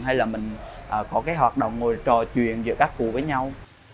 hay là mình có cái hoạt động ngồi trò chuyện giữa các cụ với nhau